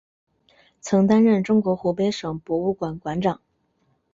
曾担任中国湖北省博物馆馆长。